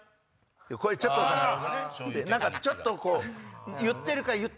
こういうちょっと何かちょっとこう。